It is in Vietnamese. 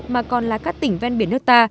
mà còn là các tỉnh ven biển nước ta